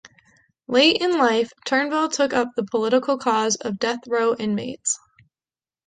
Late in life Turnbull took up the political cause of death row inmates.